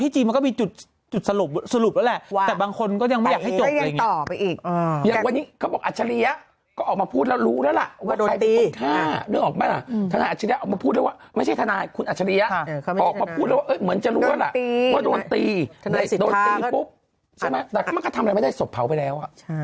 ออกมาพูดแล้วว่าเหมือนจะรู้ว่าล่ะว่าโดนตีโดนตีปุ๊บแต่มันก็ทำอะไรไม่ได้สกเผาไปแล้ว